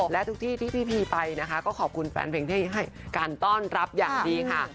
และทุกที่ที่พี่พีไปนะคะก็ขอบคุณแฟนเพลงที่ให้การต้อนรับอย่างดีค่ะ